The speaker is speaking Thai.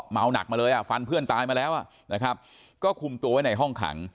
เมาหนักมาเลยอ่ะฟันเพื่อนตายมาแล้วนะครับก็คุมตัวไว้ในห้องขัง